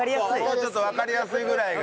もうちょっとわかりやすいぐらいが。